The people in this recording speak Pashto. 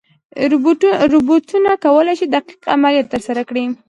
روبوټونه کولی شي دقیق عملیات ترسره کړي.